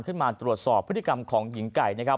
ขึ้นมาตรวจสอบพฤติกรรมของหญิงไก่นะครับ